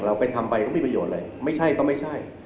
เราไปทำไปก็ไม่มีประโยชน์เลยไม่ใช่ก็ไม่ใช่